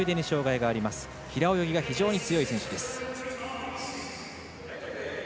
平泳ぎが非常に強い選手です。